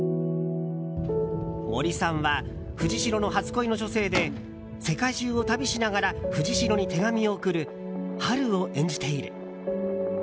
森さんは藤代の初恋の女性で世界中を旅しながら藤代に手紙を送る春を演じている。